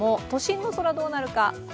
都心の空、どうなるか。